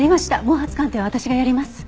毛髪鑑定は私がやります。